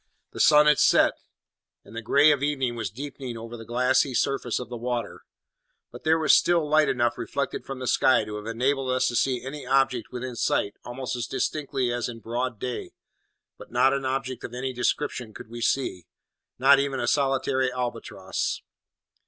The sun had set, and the grey of evening was deepening over the glassy surface of the water; but there was still light enough reflected from the sky to have enabled us to see any object within sight almost as distinctly as in broad day, but not an object of any description could we see, not even a solitary albatross.